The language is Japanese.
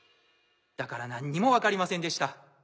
だから何にも分かりませんでした。